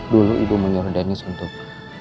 dulu ibu menyuruh deniz untuk